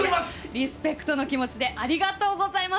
リスペクトの気持ちでありがとうございます。